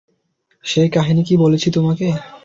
সেই কাহিনী কি বলেছি তোমাকে?